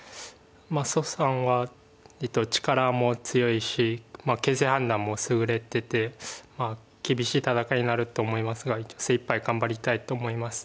蘇さんは力も強いし形勢判断も優れてて厳しい戦いになると思いますが精いっぱい頑張りたいと思います。